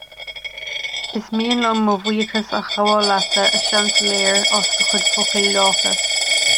Is mian liom mo bhuíochas a ghabháil leatsa, a Seansailéir, as do chuid focail lácha